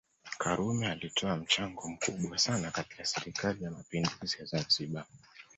karume alitoa mchango mkubwa sana katika serikali ya mapinduzi ya Zanzibar